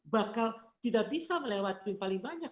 bakal tidak bisa melewati paling banyak